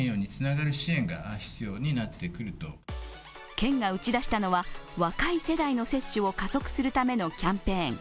県が打ち出したのは若い世代の接種を加速するためのキャンペーン